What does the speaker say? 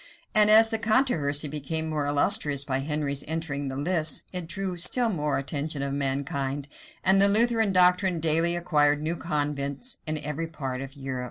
[*] And as the controversy became more illustrious by Henry's entering the lists, it drew still more the attention of mankind; and the Lutheran doctrine daily acquired new converts in every part of Europe.